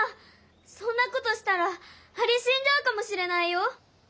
そんなことしたらアリしんじゃうかもしれないよ。